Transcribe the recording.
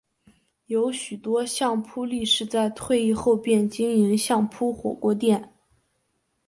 有许多相扑力士在退役后便经营相扑火锅店。